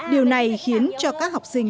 điều này khiến cho các học sinh